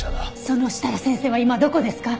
その設楽先生は今どこですか！？